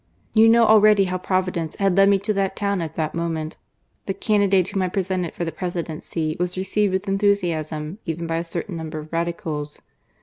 You know already how Providence had led me to that town at that moment. The candidate whom I presented for the Presidency was received with enthusiasm even by a certain numbeV of Radicals.